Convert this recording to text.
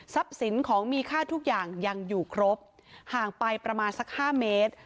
สินของมีค่าทุกอย่างยังอยู่ครบห่างไปประมาณสัก๕เมตร